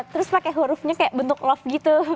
terus pakai hurufnya kayak bentuk love gitu